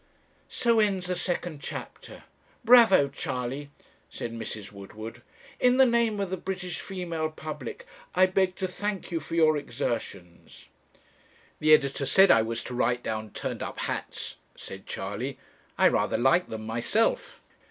'So ends the second chapter bravo, Charley,' said Mrs. Woodward. 'In the name of the British female public, I beg to thank you for your exertions.' 'The editor said I was to write down turned up hats,' said Charley. 'I rather like them myself.'